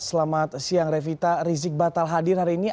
selamat siang revita rizik batal hadir hari ini